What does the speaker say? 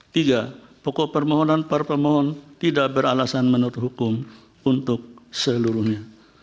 tiga pokok permohonan para pemohon tidak beralasan menurut hukum untuk seluruhnya